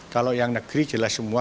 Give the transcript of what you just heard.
kalau yang negeri jelas semua